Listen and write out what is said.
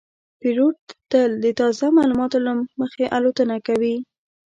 پیلوټ تل د تازه معلوماتو له مخې الوتنه کوي.